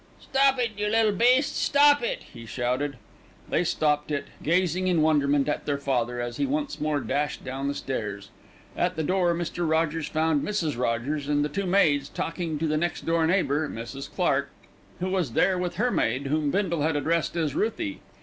"Stop it, you little beasts! Stop it!" he shouted. They stopped it, gazing in wonderment at their father as he once more dashed down the stairs. At the door Mr. Rogers found Mrs. Rogers and the two maids talking to the next door neighbour, Mrs. Clark, who was there with her maid, whom Bindle had addressed as "Ruthie."